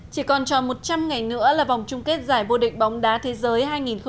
chỉ còn cho một trăm linh ngày nữa là vòng chung kết giải vô địch bóng đá thế giới hai nghìn một mươi tám